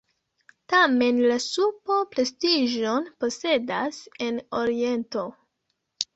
Tamen la supo prestiĝon posedas en Oriento.